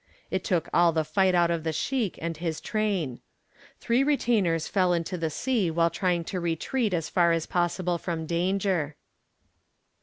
It took all the fight out of the sheik and his train. Three retainers fell into the sea while trying to retreat as far as possible from danger.